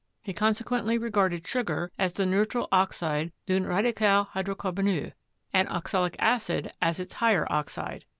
He consequently regarded sugar as the neutral oxide "d'un radical hydro carboneux," and oxalic acid as its higher oxide.